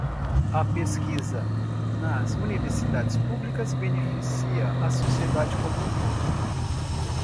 A pesquisa nas universidades públicas beneficia a sociedade como um todo.